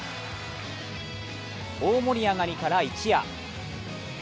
大盛り上がりから一夜。